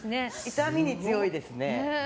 痛みに強いですね。